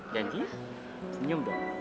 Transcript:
kendi senyum dong